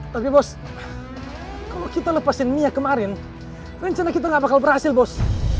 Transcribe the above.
tapi bos kalo kita lepasin mia kemarin rencana kita gak bakal berhasil bos